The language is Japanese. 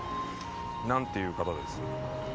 何ていう方です？